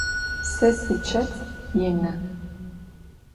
Se siçet yinı.